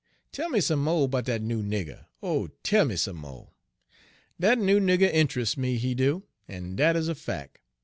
'Tell me some mo' 'bout dat noo nig ger, oh, tell me some mo'. Dat noo nigger int'rusts me, he do, en dat is a fac'.'